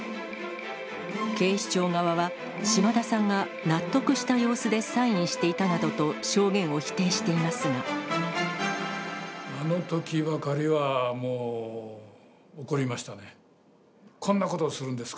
警視庁側は、島田さんが納得した様子でサインしていたなどと証言を否定していあのときばかりはもう、怒りましたね。